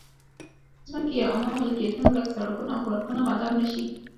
د ځمکې یا عامه ملکیتونو لکه سړکونه او پارکونه غصب نه شي.